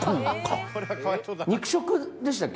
肉食でしたっけ？